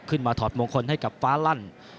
ขึ้นมาถอดมงคลให้กับฟ้าลั่น